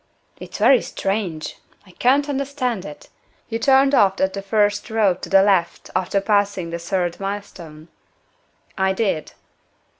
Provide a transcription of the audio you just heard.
"It's very strange! I can't understand it. You turned off at the first road to the left, after passing the third milestone?" "I did."